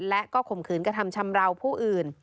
และก็ข่มขืนกระทำชำราวผู้อื่น